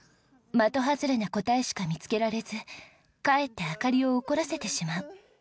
的外れな答えしか見つけられずかえって灯を怒らせてしまう。